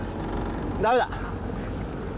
ダメだ！